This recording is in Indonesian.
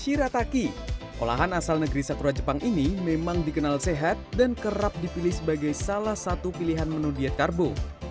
shirataki olahan asal negeri sakura jepang ini memang dikenal sehat dan kerap dipilih sebagai salah satu pilihan menu diet karbo